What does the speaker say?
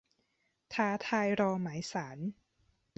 ท้าทายรอหมายศาล